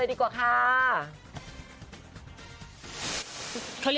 อยากแก้นม